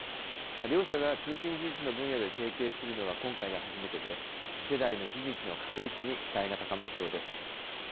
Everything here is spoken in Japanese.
両社が通信技術の分野で提携するのは今回が初めてで、次世代の技術の確立に期待が高まりそうです。